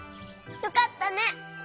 よかったね！